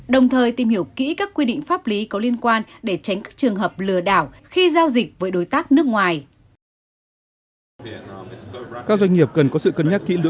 đồng thời tìm hiểu kỹ các quy định pháp lý có liên quan để tránh các trường hợp lừa đảo khi giao dịch với đối tác nước ngoài